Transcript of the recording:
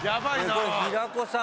これ平子さん。